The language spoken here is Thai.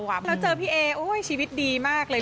แล้วเจอพี่เอ้ยชีวิตดีมากเลย